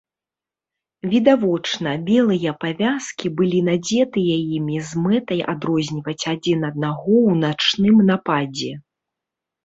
Відавочна, белыя павязкі былі надзетыя імі з мэтай адрозніваць адзін аднаго ў начным нападзе.